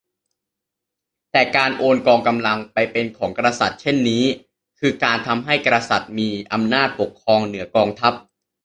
แต่การโอนกองกำลังไปเป็นของกษัตริย์เช่นนี้ คือการทำให้กษัตริย์มีอำนาจปกครองเหนือกองทัพ